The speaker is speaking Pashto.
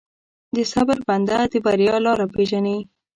د صبر بنده، د بریا لاره پېژني.